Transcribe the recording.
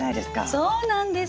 そうなんです。